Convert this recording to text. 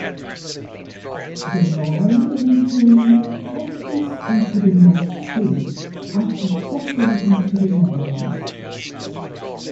The Rhine, in turn, empties into the North Sea after crossing into the Netherlands.